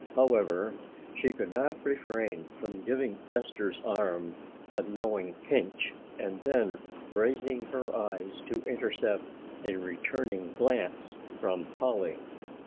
However, she could not refrain from giving Esther's arm a knowing pinch and then raising her eyes to intercept a returning glance from Polly.